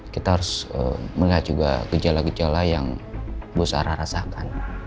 kita harus melihat juga gejala gejala yang bu sara rasakan